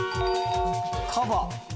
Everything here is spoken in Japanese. カバ。